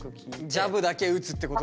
ジャブだけ打つってことか。